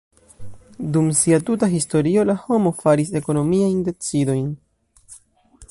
Dum sia tuta historio la homo faris ekonomiajn decidojn.